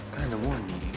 kan ada muan